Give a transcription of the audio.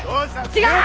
違う！